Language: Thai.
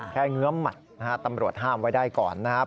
เงื้อมหมัดนะฮะตำรวจห้ามไว้ได้ก่อนนะครับ